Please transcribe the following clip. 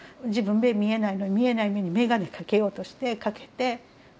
自分目見えないのに見えない目にメガネかけようとしてかけて。